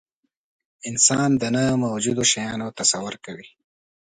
انسان د نه موجودو شیانو تصور کوي.